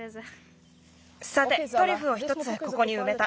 さてトリュフを１つここにうめた。